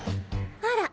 あら！